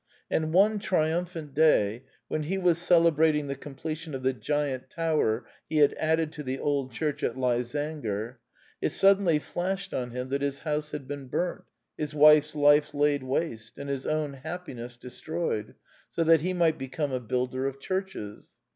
And one triumphant day, when he was celebrating the completion of the giant tower he had added to the old church at Lysanger, it suddenly flashed on him that his house had been burnt, his wife's life laid waste, and his own happiness destroyed, so that he might become a builder of churches.